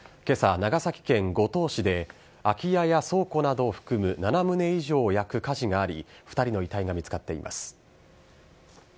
けさ、長崎県五島市で空き家や倉庫などを含む７棟以上を焼く火事があり、２人の遺体が見つかっています。